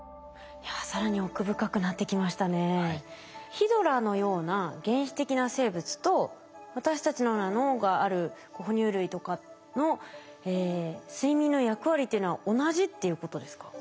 ヒドラのような原始的な生物と私たちのような脳がある哺乳類とかの睡眠の役割っていうのは同じっていうことですか？